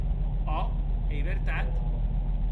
Òc, ei vertat.